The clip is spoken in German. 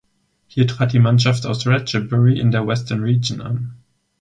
Hier trat die Mannschaft aus Ratchaburi in der Western Region an.